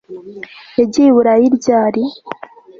yagiye i burayi ryari